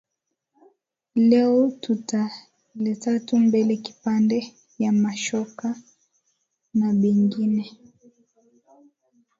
Leo tuta letatu mbele kipande ya ma shoka na bingine